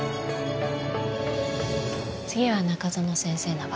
次は中園先生の番。